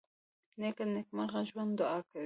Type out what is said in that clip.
نیکه د نېکمرغه ژوند دعا کوي.